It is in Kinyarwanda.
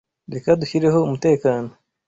Reka dushyireho umutekano.